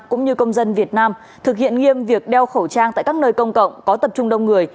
cũng như công dân việt nam thực hiện nghiêm việc đeo khẩu trang tại các nơi công cộng có tập trung đông người